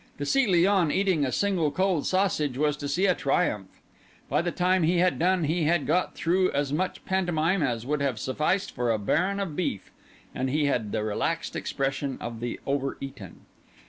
To see Léon eating a single cold sausage was to see a triumph; by the time he had done he had got through as much pantomime as would have sufficed for a baron of beef, and he had the relaxed expression of the over eaten.